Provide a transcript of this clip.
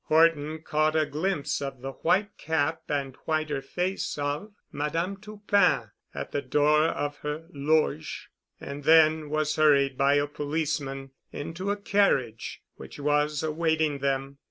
Horton caught a glimpse of the white cap and whiter face of Madame Toupin at the door of her loge, and then was hurried by a policeman into a carriage which was awaiting them.